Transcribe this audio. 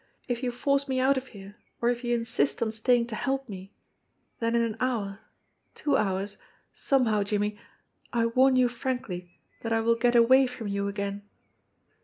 If you force me out of here, or if you insist on staying to help me, then in an hour, two hours, somehow, Jimmie, I warn you frankly that I will get away from you again."